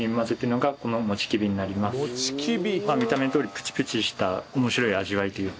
見た目どおりプチプチした面白い味わいというか。